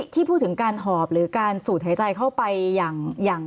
ที่พูดถึงการหอบหรือการสูดหายใจเข้าไปอย่าง